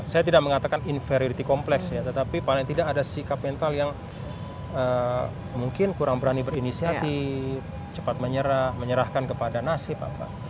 saya tidak mengatakan inferiority complex ya tetapi paling tidak ada sikap mental yang mungkin kurang berani berinisiatif cepat menyerah menyerahkan kepada nasib apa